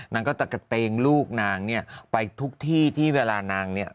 นางก็จะกระเตงลูกนางเนี่ยไปทุกที่ที่เวลานางเนี่ย